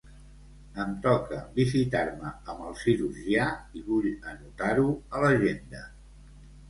Em toca visitar-me amb el cirurgià i vull anotar-ho a l'agenda.